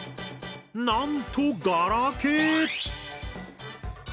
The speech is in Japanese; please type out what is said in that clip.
なんとガラケー！